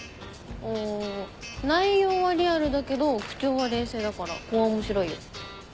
ん内容はリアルだけど口調は冷静だからこわ面白いよ。